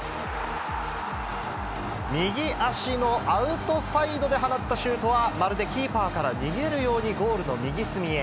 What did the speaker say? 右足のアウトサイドで放ったシュートは、まるでキーパーから逃げるようにゴールの右隅へ。